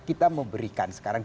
kita memberikan sekarang